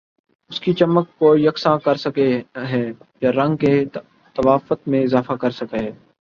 اس کی چمک کو یکساں کر سکہ ہیں یا رنگ کے تفاوت میں اضافہ کر سکہ ہیں